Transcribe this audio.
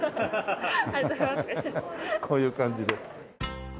こういう感じで。